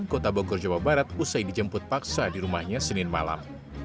kota bogor jawa barat usai dijemput paksa di rumahnya senin malam